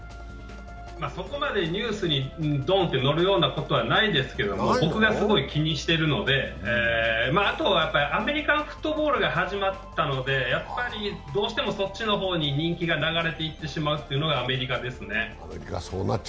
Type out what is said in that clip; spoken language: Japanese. そこまでニュースにドンと載るようなことはないですけど、僕がすごい気にしているので、あとアメリカンフットボールが始まったので、やはり、どうしてもそっちの方に人気が流れていってしまうというのがアメリカですね。